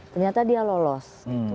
ternyata dia lolos